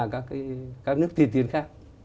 các nước tiền tiền khác